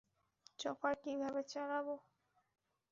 Chopper কীভাবে চালাবে?